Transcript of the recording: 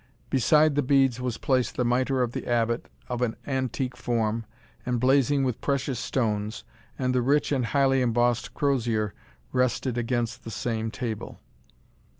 Beside the beads was placed the mitre of the Abbot, of an antique form, and blazing with precious stones, and the rich and highly embossed crosier rested against the same table.